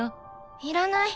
いらない！